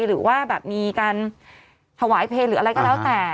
หรือว่าแบบมีการถวายเพลงหรืออะไรก็แล้วแต่